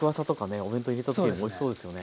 お弁当に入れた時においしそうですよね。